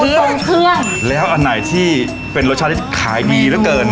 พูทรงเครื่องแล้วอันไหนที่เป็นรสช้านที่ขายดีแล้วเกิน